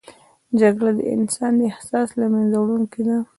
جګړه د انسان د احساس له منځه وړونکې ده